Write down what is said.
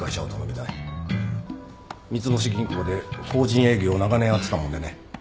三ツ星銀行で法人営業を長年やってたもんでね。